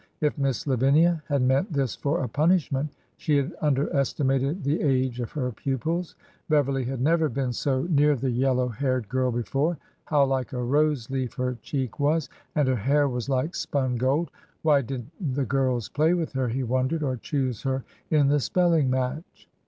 If Miss Lavinia had meant this for a punishment, she had underestimated the age of her pupils. Beverly had never been so near the IN THE SCHOOL HOUSE 53 yellow haired girl before. How like a rose leaf her cheek was I And her hair was like spun gold ! Why did n't the girls play with her, he wondered, or choose her in the spelling match.